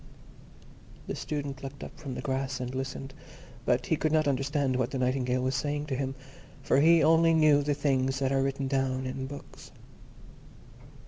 The Student looked up from the grass, and listened, but he could not understand what the Nightingale was saying to him, for he only knew the things that are written down in books.